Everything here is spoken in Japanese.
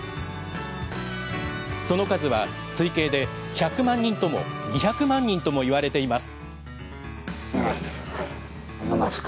その数は、推計で１００万人とも２００万人ともいわれています。